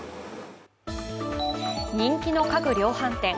人気の家具量販店